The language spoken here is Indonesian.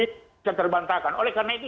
bisa terbantahkan oleh karena itu